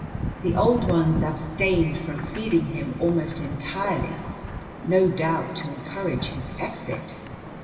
The old ones abstained from feeding him almost entirely, no doubt to encourage his exit.